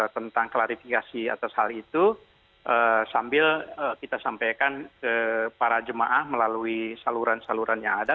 tentang klarifikasi atas hal itu sambil kita sampaikan ke para jemaah melalui saluran saluran yang ada